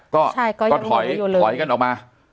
ก็ถอยกันออกมา